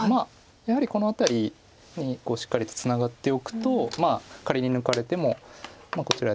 やはりこの辺りにしっかりとツナがっておくと仮に抜かれてもこちらに打ってて。